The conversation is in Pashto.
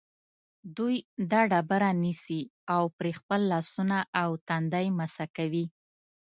دوی دا ډبره نیسي او پرې خپل لاسونه او تندی مسح کوي.